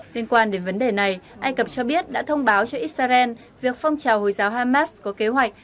liên quan đến vấn đề này ai cập cho biết đã thông báo cho israel việc phong trào hồi giáo hamas có kế hoạch